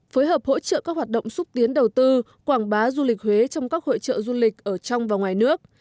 phối hợp hỗ trợ các hoạt động xúc tiến đầu tư quảng bá du lịch huế trong các hội trợ du lịch ở trong và ngoài nước